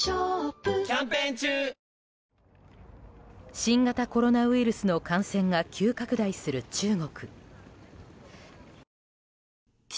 新型コロナウイルスの感染が急拡大する中国。